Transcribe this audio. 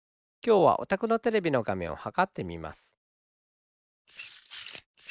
きょうはおたくのテレビのがめんをはかってみます。